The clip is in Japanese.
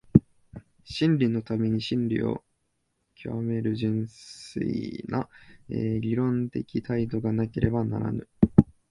真理のために真理を究める純粋な理論的態度がなければならぬ。